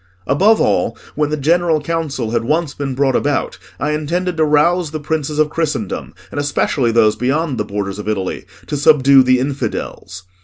Above all, when the General Council had once been brought about, I intended to rouse the princes of Christendom, and especially those beyond the borders of Italy, to subdue the infidels.